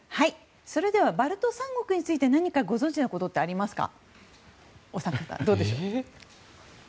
それではバルト三国について何かご存じのことはありますか？